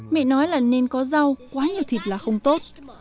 mẹ nói là nên có rau quá nhiều thịt là không tốt